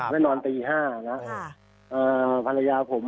แม่นอนตี๕นะครับ